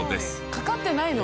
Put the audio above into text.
かかってないの？